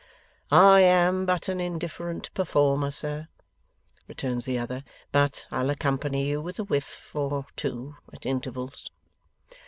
'I am but an indifferent performer, sir,' returns the other; 'but I'll accompany you with a whiff or two at intervals.